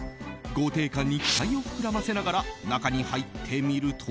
豪邸感に期待を膨らませながら中に入ってみると。